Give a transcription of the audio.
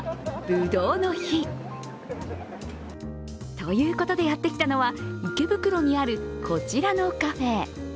ということでやってきたのは池袋にあるこちらのカフェ。